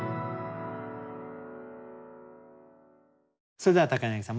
それでは柳さん